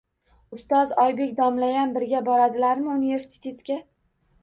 — Ustoz, Oybek domlayam birga boradilarmi universitetga?